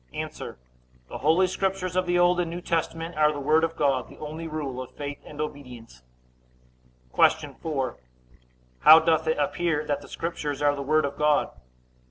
A. The Holy Scriptures of the Old and New Testament are the Word of God, the only rule of faith and obedience. Q. 4. How doth it appear that the Scriptures are the Word of God?